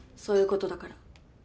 そういうことだから。